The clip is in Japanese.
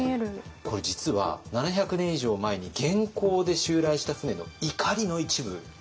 これ実は７００年以上前に元寇で襲来した船のいかりの一部なんです。